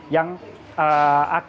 yang terjadi di seri ke sebelas